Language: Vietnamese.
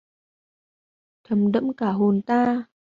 thấm đẫm cả hồn ta.